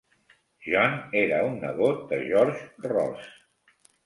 John era un nebot de George Ross.